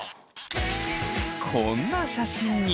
こんな写真に。